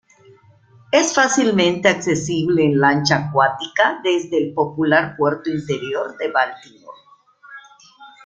Es fácilmente accesible en lancha acuática desde el popular puerto interior de Baltimore.